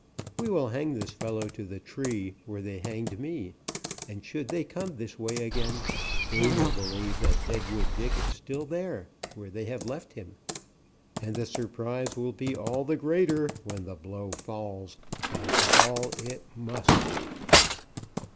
We will hang this fellow to the tree where they hanged me, and should they come this way again they will believe that Deadwood Dick is still there where they left him, and the surprise will be all the greater when the blow falls, as fall it must."